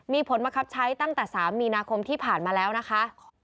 มีผลบังคับใช้ตั้งแต่๓มีนาคมที่ผ่านมาแล้วนะคะ